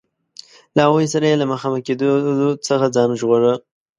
له هغوی سره یې له مخامخ کېدلو څخه ځان ژغوره.